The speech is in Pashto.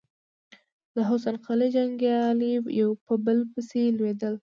د حسن قلي جنګيالي يو په بل پسې لوېدل.